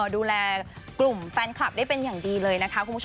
ดูแลกลุ่มแฟนคลับได้เป็นอย่างดีเลยนะคะคุณผู้ชม